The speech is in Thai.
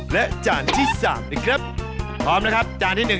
เพชรค่อยไก่เร็วมิถามไว้เจอ